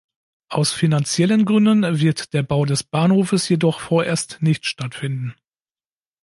Aus finanziellen Gründen wird der Bau des Bahnhofes jedoch vorerst nicht stattfinden.